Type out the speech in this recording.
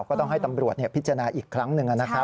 ก็ต้องให้ตำรวจพิจารณาอีกครั้งหนึ่งนะครับ